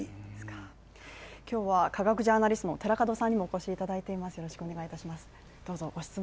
今日は科学ジャーナリストの寺門さんにもお越しいただいています。